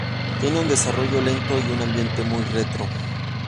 Tiene un desarrollo lento y un ambiente muy retro.